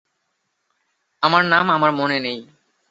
আমার নাম আমার মনে নেই।